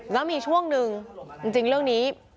แล้วมีช่วงหนึ่งจริงเรื่องนี้